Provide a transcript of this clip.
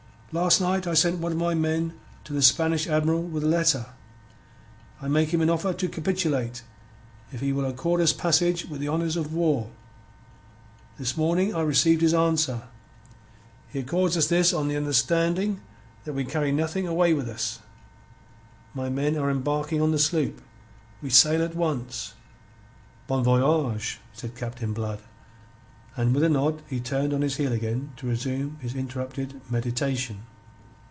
"Last night I send one of my men to the Spanish Admiral with a letter. I make him offer to capitulate if he will accord us passage with the honours of war. This morning I receive his answer. He accord us this on the understanding that we carry nothing away with us. My men they are embarking them on the sloop. We sail at once." "Bon voyage," said Captain Blood, and with a nod he turned on his heel again to resume his interrupted mediation.